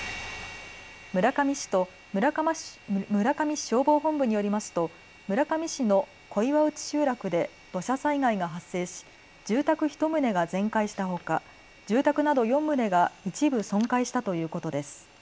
村上市と村上市消防本部によりますと村上市の小岩内集落で土砂災害が発生し住宅１棟が全壊したほか住宅など４棟が一部損壊したということです。